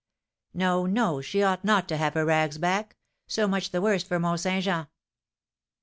"No, no, she ought not to have her rags back! So much the worse for Mont Saint Jean."